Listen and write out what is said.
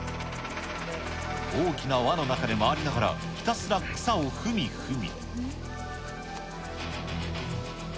大きな輪の中で回りながら、ひたすら草を踏み踏み。